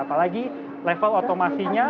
apalagi level otomasinya